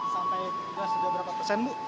sampai sudah berapa persen bu